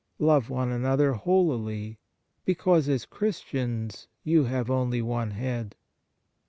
Love one another holily, because as Chris tians you have only one Head.